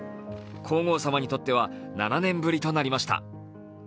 皇后さまにとっては７年ぶりとなりました。